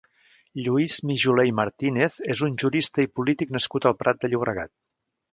Lluís Mijoler i Martínez és un jurista i polític nascut al Prat de Llobregat.